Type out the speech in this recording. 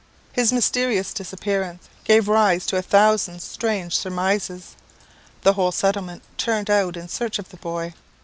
"His mysterious disappearance gave rise to a thousand strange surmises. The whole settlement turned out in search of the boy.